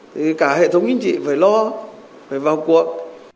thì cả hệ thống chính trị phải lo phải vào cuộc